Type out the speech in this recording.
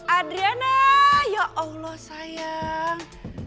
adriana ya allah sayang